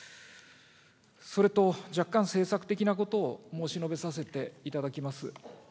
それと、若干政策的なことを申し述べさせていただきます。